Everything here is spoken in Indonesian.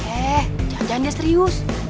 eh jangan jangan dia serius